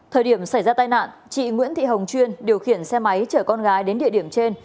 thời điểm xảy ra tai nạn chị nguyễn thị hồng chuyên điều khiển xe máy chở con gái đến địa điểm trên